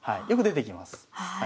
よく出てきます。